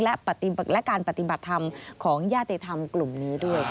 และการปฏิบัติธรรมของญาติธรรมกลุ่มนี้ด้วย